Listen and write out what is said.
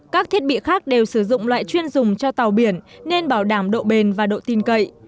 các thiết bị khác đều sử dụng loại chuyên dùng cho tàu biển nên bảo đảm độ bền và độ tin cậy